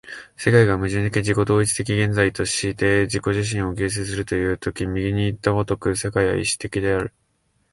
世界が矛盾的自己同一的現在として自己自身を形成するという時右にいった如く世界は意識的である。